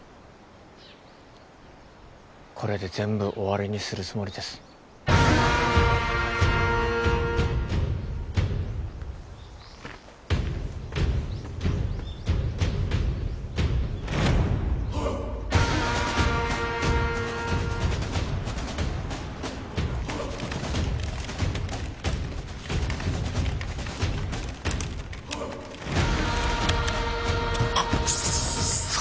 これで全部終わりにするつもりですあっクッソ！